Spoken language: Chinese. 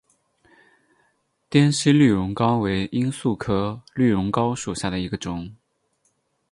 滇西绿绒蒿为罂粟科绿绒蒿属下的一个种。